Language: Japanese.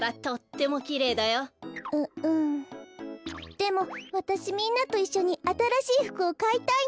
でもわたしみんなといっしょにあたらしいふくをかいたいの。